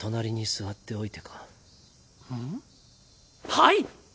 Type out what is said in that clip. はい！